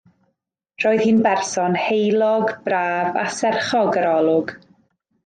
Roedd hi'n berson heulog, braf a serchog yr olwg.